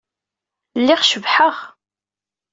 Lliɣ cebḥeɣ.